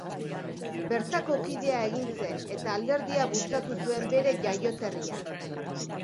Bertako kidea egin zen eta alderdia bultzatu zuen bere jaioterrian.